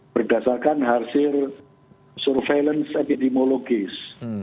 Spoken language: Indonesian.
berdasarkan hasil surveillance epidemiologis